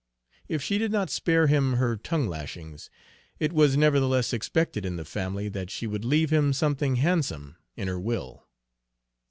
If she did not spare him her tongue lashings, it was nevertheless expected in the family that she would leave him something handsome in her will.